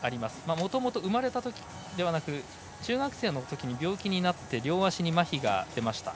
もともと生まれたときではなく中学生のとき病気になって両足にまひが出ました。